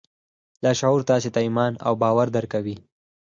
لاشعور تاسې ته ایمان او باور درکوي